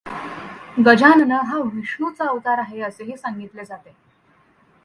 गजानन हा विष्णूचा अवतार आहे, असेही सांगितले जाते.